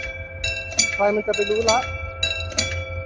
ใครมันจะไปรู้ละ